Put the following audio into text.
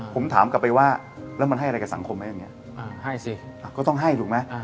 ผมถามกลับไปว่าแล้วมันให้อะไรกับสังคมไหมอย่างนี้ให้สิก็ต้องให้ถูกไหม